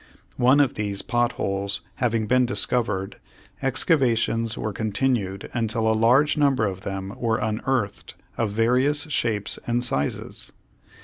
One of these pot holes having been discovered, excavations were continued until a large number of them were unearthed of various shapes and sizes.